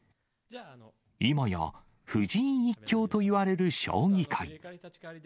今や、藤井一強といわれる将棋界。